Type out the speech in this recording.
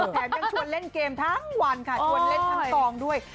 แถมยังชวนเล่นเกมทั้งวันค่ะชวนเล่นทั้งกองด้วย